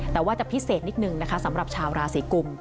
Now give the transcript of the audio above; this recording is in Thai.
แต่ว่าจะพิเศษนิดนึงนะคะสำหรับชาวราศีกุม